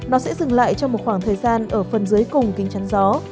nó sẽ dừng lại trong một khoảng thời gian ở phần dưới cùng kính chắn gió